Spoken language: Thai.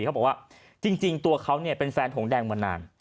เขาบอกว่าจริงตัวเขาเป็นแฟนหงแดงมานาน